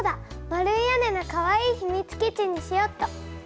丸い屋根のかわいいひみつ基地にしよっと。